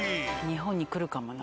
日本に来るかもな。